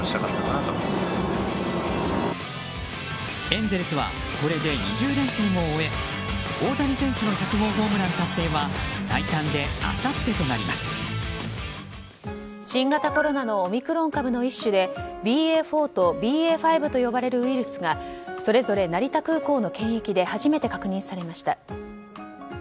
エンゼルスはこれで２０連戦を終え大谷選手の１００号ホームラン達成は新型コロナのオミクロン株の一種でＢＡ．４とＢＡ．５と呼ばれるウイルスがそれぞれ成田空港の検疫で初めて確認されました。